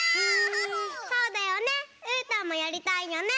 そうだよねうーたんもやりたいよね。